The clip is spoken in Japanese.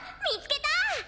みつけた！